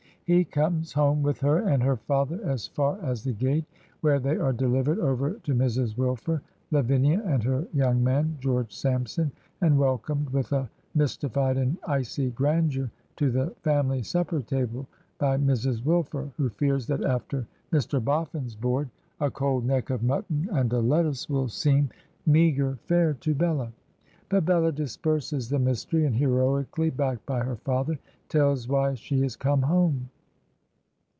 He comes home with her and her father as far as the gate, where they are delivered over to Mrs. Wilfer, Lavinia, and her young man, George Sampson, and welcomed with a mystified and icy grandeur to the family supper table by Mrs. Wilfer, who fears that after "Mr. Boffin's board " a " cold neck of mutton and a lettuce " will seem 156 Digitized by VjOOQIC DICKENS'S LATER HEROINES meagre fare to Bella. But Bella disperses the mystery, and, heroically backed by her father, tells why she has come home.